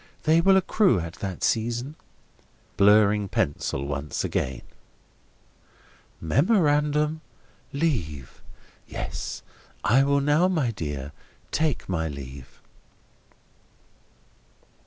They will accrue at that season." Blurring pencil once again. "Memorandum, 'Leave.' Yes. I will now, my dear, take my leave."